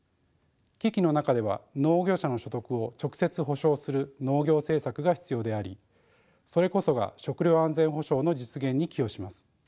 危機の中では農業者の所得を直接補償する農業政策が必要でありそれこそが食料安全保障の実現に寄与します。